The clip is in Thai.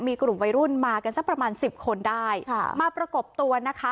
มีกลุ่มวัยรุ่นมากันสักประมาณสิบคนได้ค่ะมาประกบตัวนะคะ